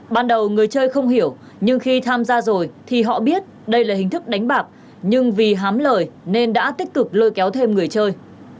ban đầu người chơi không hiểu nhưng khi tham gia rồi thì họ biết đây là hình thức đánh bạc nhưng vì hám lời nên đã tích cực lôi kéo thêm người chơi